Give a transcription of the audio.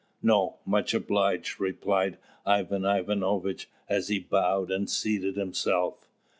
"No, much obliged," replied Ivan Ivanovitch, as he bowed and seated himself.